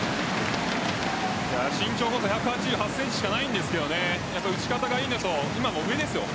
身長は１８８ｃｍしかないんですけど打ち方がいいですよね。